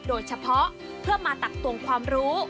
โดยเฉพาะเพื่อมาตักตวงความรู้